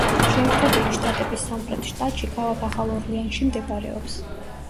შეერთებული შტატების სამხრეთ შტატში, ქალაქ ახალ ორლეანში მდებარეობს.